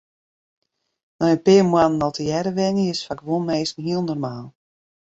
Nei in pear moannen al tegearre wenje is foar guon minsken hiel normaal.